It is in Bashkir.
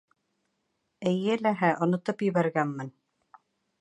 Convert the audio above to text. — Эйе ләһә, онотоп ебәргәнмен.